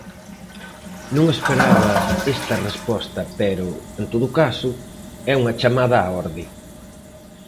Non esperaba esta resposta pero, en todo caso, é unha chamada á orde.